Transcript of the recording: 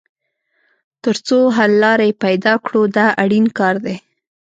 تر څو حل لاره یې پیدا کړو دا اړین کار دی.